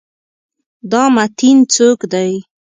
دا متین څوک دی؟